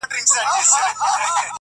زما د افسانو د قهرمان حماسه ولیکه-